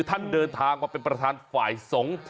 เดินทางมาเป็นประธานฝ่ายสงฆ์